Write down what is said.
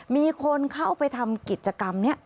มีคนเข้าไปทำกิจกรรมนี้